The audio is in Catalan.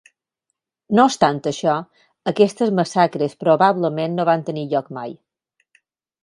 No obstant això, aquestes massacres probablement no van tenir lloc mai.